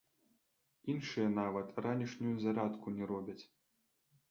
Іншыя нават ранішнюю зарадку не робяць!